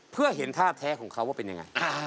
เพื่อเห็นท่าแท้ของเขาว่าเป็นยังไง